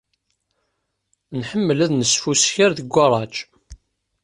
Nḥemmel ad nesfusker deg ugaṛaj.